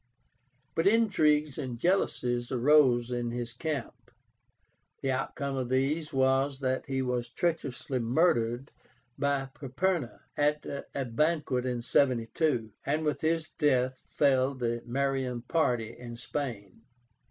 But intrigues and jealousies arose in his camp. The outcome of these was that he was treacherously murdered by Perperna at a banquet in 72, and with his death fell the Marian party in Spain.